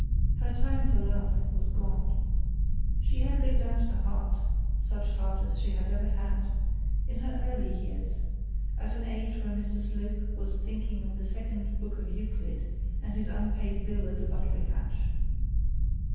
Her time for love was gone. She had lived out her heart, such heart as she ever had ever had, in her early years, at an age when Mr Slope was thinking of his second book of Euclid and his unpaid bill at the buttery hatch.